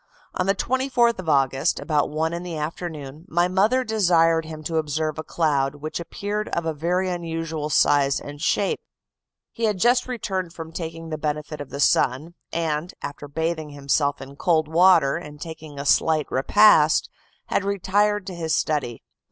On the 24th of August, about one in the afternoon, my mother desired him to observe a cloud which appeared of a very unusual size and shape. He had just returned from taking the benefit of the sun, and, after bathing himself in cold water, and taking a slight repast, had retired to his study.